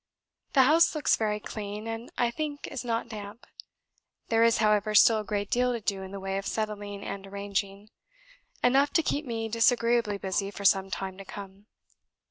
... The house looks very clean, and, I think, is not damp; there is, however, still a great deal to do in the way of settling and arranging, enough to keep me disagreeably busy for some time to come.